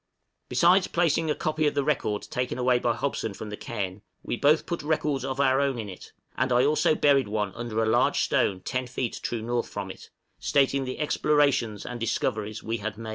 Besides placing a copy of the record taken away by Hobson from the cairn, we both put records of our own in it; and I also buried one under a large stone ten feet true north from it, stating the explorations and discoveries we had made.